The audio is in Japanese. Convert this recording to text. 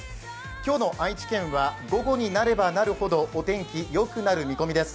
今日の愛知県は午後になればなるほどお天気、良くなる見込みです。